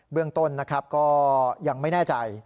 เบื้องต้นก็ยังไม่แน่ใจ